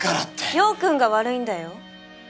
陽君が悪いんだよ？